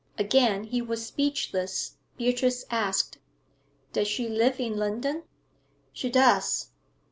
Again he was speechless. Beatrice asked 'Does she live in London?' 'She does.'